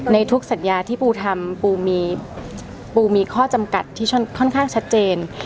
ในทุกสัญญาที่ปูทำปูมีปูมีข้อจำกัดที่ค่อนข้างชัดเจน